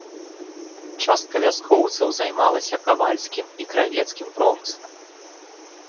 Частка вяскоўцаў займалася кавальскім і кравецкім промысламі.